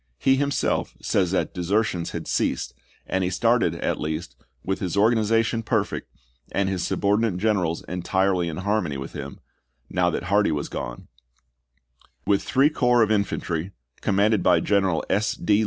He himself says that desertions had ceased, and he started, at least, with his organiza tion perfect and his subordinate generals entirely in harmony with him, now that Hardee was gone ; with three corps of infantry, commanded by Gen FKANKLIN AND NASHVILLE / erals S. D.